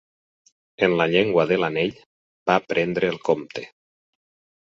En la llengua de l'anell, va prendre el Comte.